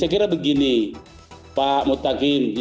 saya kira begini pak mutakin